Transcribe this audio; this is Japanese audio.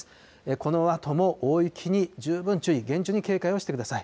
このあとも大雪に十分注意、厳重に警戒をしてください。